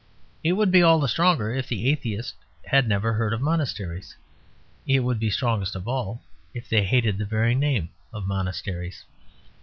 It would be all the stronger if the atheists had never heard of monasteries; it would be strongest of all if they hated the very name of monasteries.